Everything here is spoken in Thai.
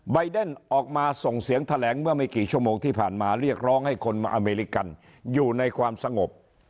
เดนออกมาส่งเสียงแถลงเมื่อไม่กี่ชั่วโมงที่ผ่านมาเรียกร้องให้คนมาอเมริกันอยู่ในความสงบ